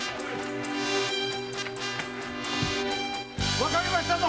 わかりましたぞ！